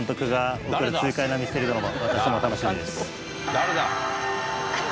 誰だ？